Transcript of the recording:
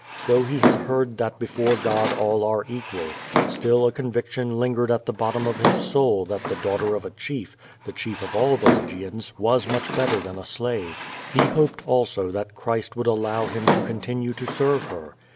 Though he had heard that before God all are equal, still a conviction lingered at the bottom of his soul that the daughter of a chief, the chief of all the Lygians, was much better than a slave. He hoped, also, that Christ would allow him to continue to serve her.